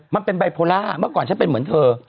มันเป็นไบโพล่าเมื่อก่อนฉันเป็นเหมือนเธอ